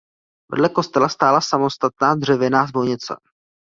Vedle kostela stála samostatná dřevěná zvonice.